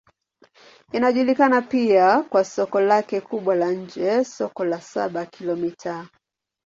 Inajulikana pia kwa soko lake kubwa la nje, Soko la Saba-Kilomita.